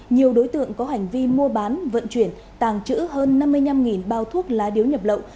nhiều đối tượng có hành vi mua bán vận chuyển tàng trữ hơn năm mươi năm bao thuốc lá điếu nhập lậu